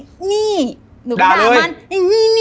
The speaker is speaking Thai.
ด่าเลยหนูก็มาด่ามันไอ้นี่นิ